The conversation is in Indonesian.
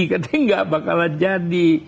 ketika bakal jadi